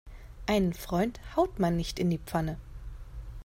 Einen Freund haut man nicht in die Pfanne.